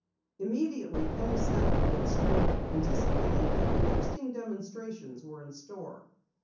Immediately, Penny sat up a bit straighter, anticipating that interesting demonstrations were in store.